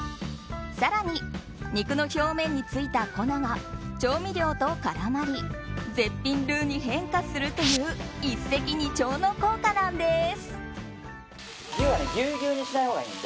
更に、肉の表面についた粉が調味料と絡まり絶品ルーに変化するという一石二鳥の効果なんです。